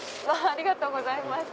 ありがとうございます。